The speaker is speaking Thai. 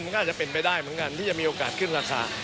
มันก็อาจจะเป็นไปได้เหมือนกันที่จะมีโอกาสขึ้นราคา